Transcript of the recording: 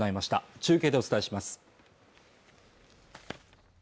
中継でお伝えします